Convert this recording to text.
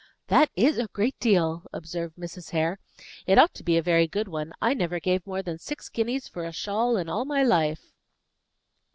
"That is a great deal," observed Mrs. Hare. "It ought to be a very good one. I never gave more than six guineas for a shawl in all my life."